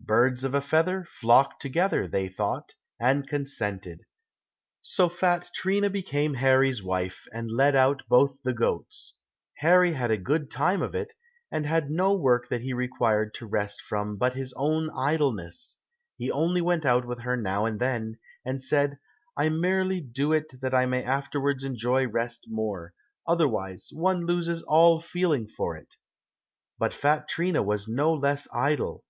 "Birds of a feather, flock together," they thought, and consented. So fat Trina became Harry's wife, and led out both the goats. Harry had a good time of it, and had no work that he required to rest from but his own idleness. He only went out with her now and then, and said, "I merely do it that I may afterwards enjoy rest more, otherwise one loses all feeling for it." But fat Trina was no less idle.